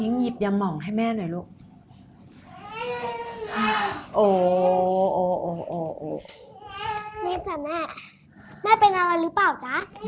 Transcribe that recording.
นี่โอ้แม่จ้ะแม่แม่เป็นอะไรหรือเปล่าจ๊ะ